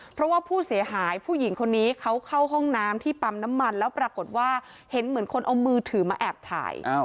เพราะว่าผู้เสียหายผู้หญิงคนนี้เขาเข้าห้องน้ำที่ปั๊มน้ำมันแล้วปรากฏว่าเห็นเหมือนคนเอามือถือมาแอบถ่าย